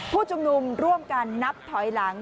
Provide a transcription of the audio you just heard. ผู้ชุมนุมร่วมกันนับถอยหลัง